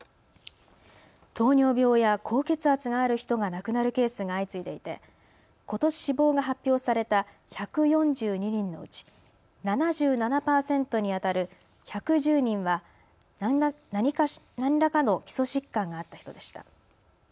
糖尿病や高血圧がある人が亡くなるケースが相次いでいてことし死亡が発表された１４２人のうち７７％にあたる１１０人は何らかの基礎疾患があった人でした。